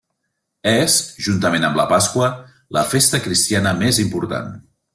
És, juntament amb la Pasqua, la festa cristiana més important.